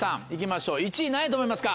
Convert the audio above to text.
１位何やと思いますか？